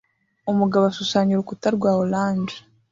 Umugabo ashushanya urukuta rwa orange